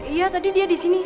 iya tadi dia disini